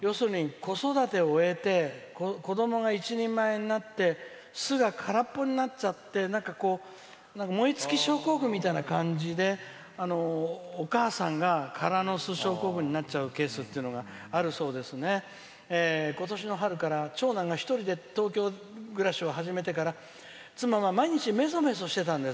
子育てを終えて子供が一人前になって巣が空っぽになっちゃって燃え尽き症候群みたいな感じで空の巣症候群になっちゃうケースが今年の春から長男が一人で東京暮らしを始めてから妻が毎日めそめそしてたんです。